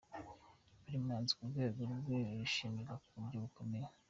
Buri muhanzi ku rwego rwe yarishimiwe mu buryo bukomeye.